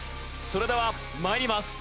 それでは参ります。